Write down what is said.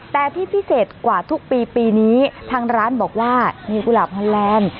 แต่ที่พิเศษกว่าทุกปีปีนี้ทางร้านบอกว่ามีกุหลาบฮอนแลนด์